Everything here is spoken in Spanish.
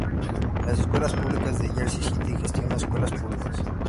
Las Escuelas Públicas de Jersey City gestiona escuelas públicas.